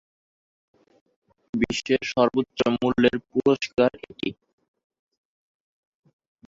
বিশ্বের সর্বোচ্চ মূল্যের পুরস্কার এটি।